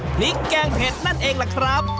พริกแก้งเป็นนั่นเองแหละครับ